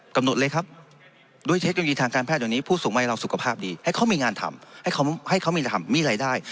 กำหนดเลยครับด้วยเทคโนโลยีทางการแพทย์เดี๋ยวนี้ผู้สูงวัยเราสุขภาพดีให้เขามีงานทำให้เขามีรายได้